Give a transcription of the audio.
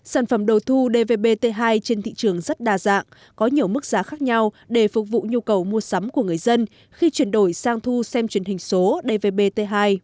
sản phẩm đầu thu dvb t hai trên thị trường rất đa dạng có nhiều mức giá khác nhau để phục vụ nhu cầu mua sắm của người dân khi chuyển đổi sang thu xem truyền hình số dvb t hai